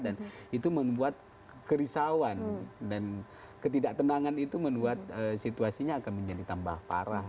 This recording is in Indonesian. dan itu membuat kerisauan dan ketidak tenangan itu membuat situasinya akan menjadi tambah parah